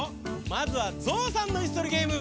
まずはゾウさんのいすとりゲーム。